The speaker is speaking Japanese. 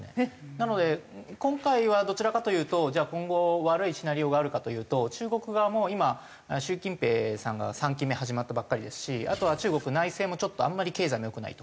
なので今回はどちらかというとじゃあ今後悪いシナリオがあるかというと中国側も今習近平さんが３期目始まったばっかりですしあとは中国内政もちょっとあんまり経済も良くないと。